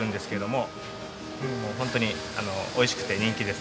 もう本当においしくて人気ですね。